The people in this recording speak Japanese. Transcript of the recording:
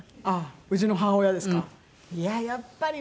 ああうちの母親ですか？